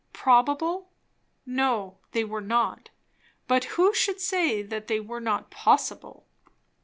Probable? No, they were not; but who should say they were not possible?